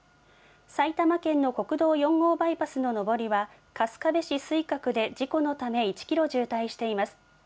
埼玉県の国道４号バイパスの上りは春日部市すいかくで事故のため１キロ渋滞しています。